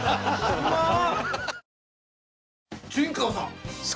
うまっ！